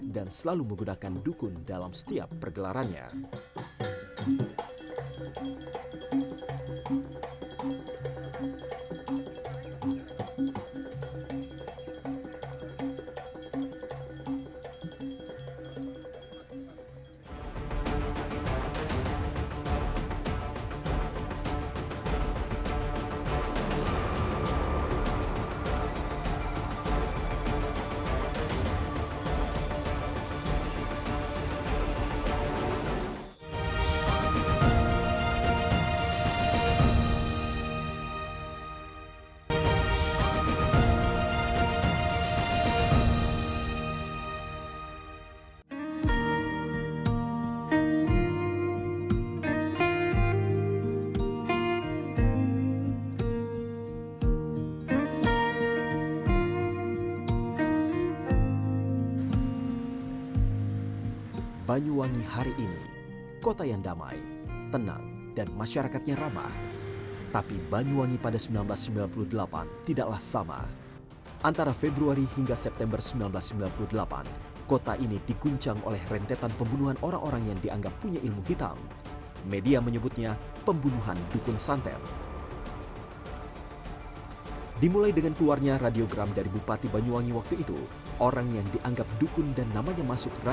dan selalu menggunakan dukun dalam setiap pergelarannya